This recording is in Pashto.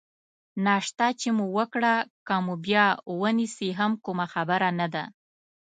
ناشته چې مو وکړه، که مو بیا ونیسي هم کومه خبره نه ده.